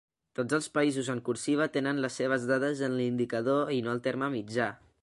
Tots els països en cursiva tenen les seves dades en l'indicador i no el terme mitjà.